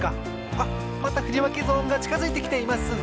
あっまたふりわけゾーンがちかづいてきています。